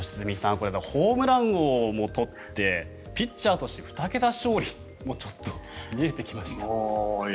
これ、ホームラン王も取ってピッチャーとして２桁勝利も見えてきました。